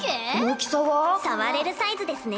触れるサイズですね。